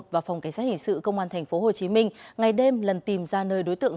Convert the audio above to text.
và phòng cảnh sát hình sự công an tp hcm ngày đêm lần tìm ra nơi đối tượng